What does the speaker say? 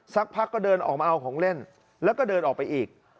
สักพักก็เดินออกมาเอาของเล่นแล้วก็เดินออกไปอีก